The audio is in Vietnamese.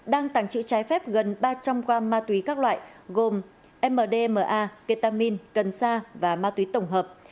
đang tàng trự trái phép gần ba trăm linh qua ma túy các loại gồm mdma ketamine cansar và ma túy tổng hợp